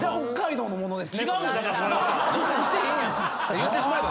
言ってしまえば。